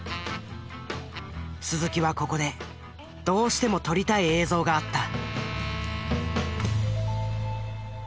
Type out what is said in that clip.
鈴木はここでどうしても撮りたい映像があった。